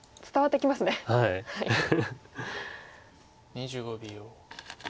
２５秒。